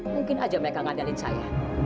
mungkin aja mereka ngandalin saya